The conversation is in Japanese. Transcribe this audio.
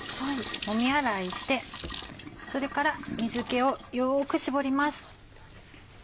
もみ洗いしてそれから水気をよく絞ります。